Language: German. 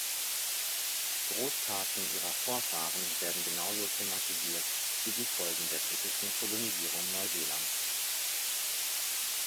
Großtaten ihrer Vorfahren werden genauso thematisiert wie die Folgen der britischen Kolonisierung Neuseelands.